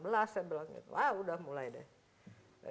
saya bilang wah udah mulai deh